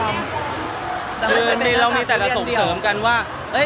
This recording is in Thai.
แต่ทีนี้เวลารับงานเราจะคุยให้มันเห็นแล้วคือเป็นคำว่าถึงไปถึงค่าเติมชอตสายรูปด้วยเลยว่าเอาให้กันเย็นเลย